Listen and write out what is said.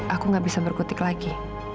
aku gak bisa berkutik lagi